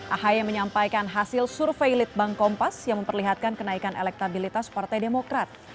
ahy menyampaikan hasil survei litbang kompas yang memperlihatkan kenaikan elektabilitas partai demokrat